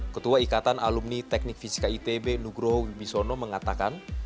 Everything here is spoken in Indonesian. ketua ikatan alumni teknik fisika itb nugroho gbisono mengatakan